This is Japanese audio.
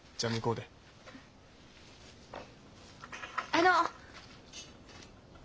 あの。